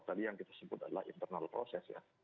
tadi yang kita sebut adalah internal proses ya